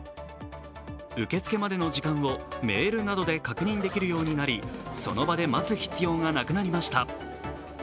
受け付けまでの時間をメールなどで確認できるようになり、その場で待つ必要がなくなりました。